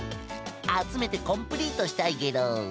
あつめてコンプリートしたいゲロ！